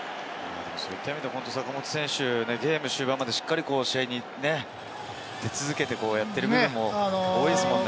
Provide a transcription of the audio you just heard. そういった意味で坂本選手、ゲーム終盤までしっかりと試合にね、続けてやっている部分も多いですもんね。